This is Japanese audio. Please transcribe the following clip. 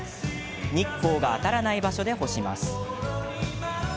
日光が当たらない場所で干します。